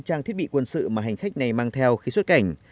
trang thiết bị quân sự mà hành khách này mang theo khi xuất cảnh